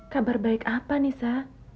kabar baik apa nisa